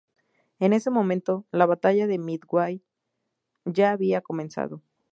En ese momento, la batalla de Midway ya había comenzado.